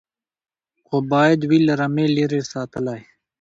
خو باید وي له رمې لیري ساتلی